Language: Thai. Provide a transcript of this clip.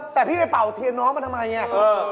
แต่พี่ก็เป่าเทียนน้องมาทำอะไรอย่างนี้